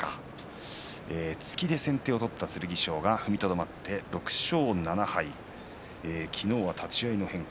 突きで先手を取った剣翔が踏みとどまって６勝７敗昨日は立ち合いの変化